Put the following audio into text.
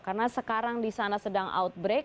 karena sekarang di sana sedang out break